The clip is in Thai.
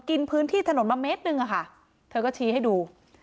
กินพื้นที่ถนนมาเมตรหนึ่งอะค่ะเธอก็ชี้ให้ดู